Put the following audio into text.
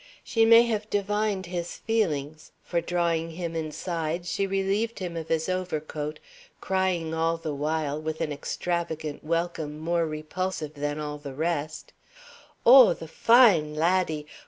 She may have divined his feelings, for, drawing him inside, she relieved him of his overcoat, crying all the while, with an extravagant welcome more repulsive than all the rest: "O the fine laddie!